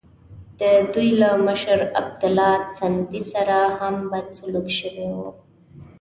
د دوی له مشر عبیدالله سندي سره هم بد سلوک شوی وو.